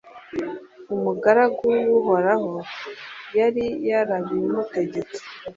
umugaragu w'uhoraho, yari yarabimutegetse